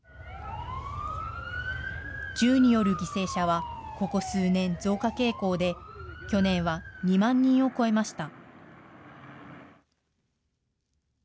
銃による犠牲者は、ここ数年、増加傾向で、去年は２万人を超えました。